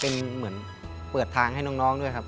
เป็นเหมือนเปิดทางให้น้องด้วยครับ